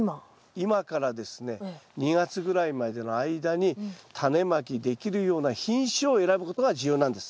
今からですね２月ぐらいまでの間にタネまきできるような品種を選ぶことが重要なんです。